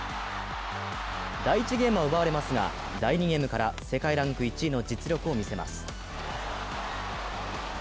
第１ゲームは奪われますが、第２ゲームから世界ランク１位の実力を見せます。